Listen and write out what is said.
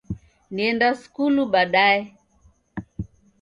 Nienda sukulu baadaye